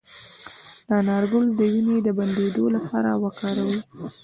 د انار ګل د وینې د بندیدو لپاره وکاروئ